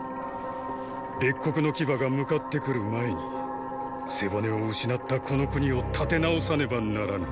列国の牙が向かって来る前に背骨を失ったこの国を立て直さねばならぬ。